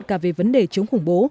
cả về vấn đề chống khủng bố